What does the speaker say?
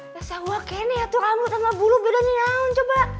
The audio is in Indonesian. ya saya hua kaya nih ya tuh rambut sama bulu bedanya yang coba